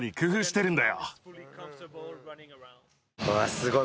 すごい。